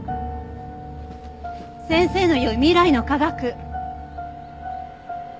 先生の言う未来の科学。